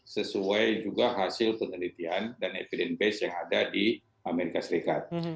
sesuai juga hasil penelitian dan evidence base yang ada di amerika serikat